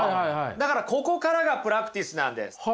だからここからがプラクティスなんです。